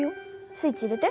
スイッチ入れて。